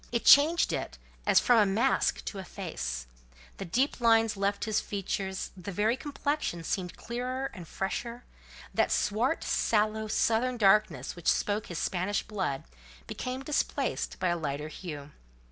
It changed it as from a mask to a face: the deep lines left his features; the very complexion seemed clearer and fresher; that swart, sallow, southern darkness which spoke his Spanish blood, became displaced by a lighter hue.